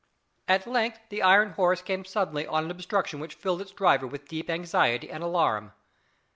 At length the iron horse came suddenly on an obstruction which filled its driver with deep anxiety and alarm.